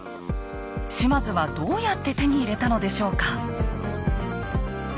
島津はどうやって手に入れたのでしょうか。